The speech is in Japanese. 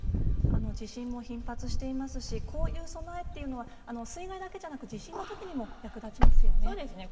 地震も頻発していますしこういう備えは水害だけでなく地震のときにも役立ちますよね。